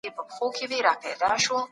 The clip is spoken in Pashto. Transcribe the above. سرو کرویات د وینې مهمه برخه جوړوي.